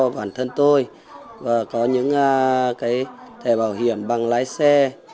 bản thân tôi và có những thẻ bảo hiểm bằng lái xe